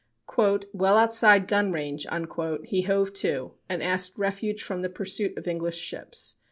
"Well outside gun range," he hove to, and asked refuge from the pursuit of English ships.